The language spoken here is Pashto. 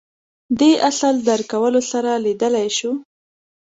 دې اصل درک کولو سره لیدلای شو